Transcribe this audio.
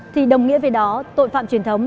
thì đồng nghĩa về đó tội phạm truyền thống